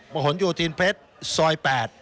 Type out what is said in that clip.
มหนธุทินเพชรซอย๘